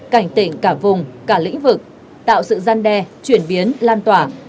cảnh tỉnh cả vùng cả lĩnh vực tạo sự gian đe chuyển biến lan tỏa